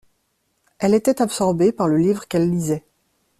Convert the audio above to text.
Elle était absorbée par le livre qu'elle lisait.